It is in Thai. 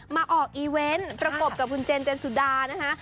มาออกอีเวนต์ประกบกับคุณเจนเจนสุดานะคะ